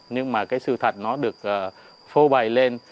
nhưng mà sự thật nó được phô bày lên